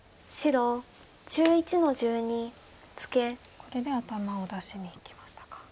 これで頭を出しにいきましたか。